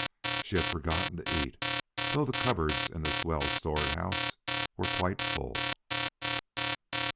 She had forgotten to eat, though the cupboards, in this well stored house, were quite full.